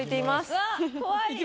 うわっ怖い。